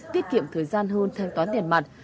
tiết kiệm thời gian hơn thanh toán tiền mặt